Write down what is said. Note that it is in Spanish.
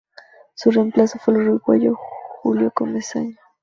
Su reemplazo fue el uruguayo Julio Comesaña.